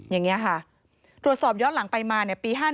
อย่างนี้ค่ะตรวจสอบย้อนหลังไปมาปี๕๗